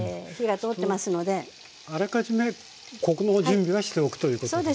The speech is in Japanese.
あらかじめここの準備はしておくということですね。